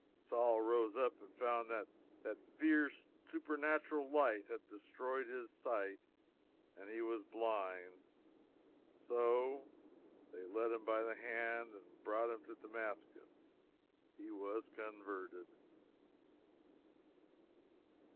Saul rose up and found that that fierce supernatural light had destroyed his sight, and he was blind, so "they led him by the hand and brought him to Damascus." He was converted.